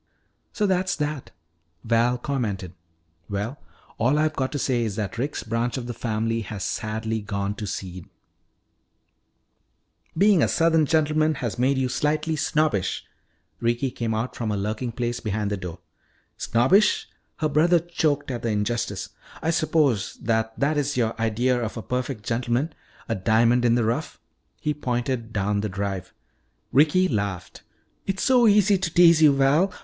"So that's that," Val commented. "Well, all I've got to say is that Rick's branch of the family has sadly gone to seed " "Being a southern gentleman has made you slightly snobbish." Ricky came out from her lurking place behind the door. "Snobbish!" her brother choked at the injustice. "I suppose that that is your idea of a perfect gentleman, a diamond in the rough " He pointed down the drive. Ricky laughed. "It's so easy to tease you, Val.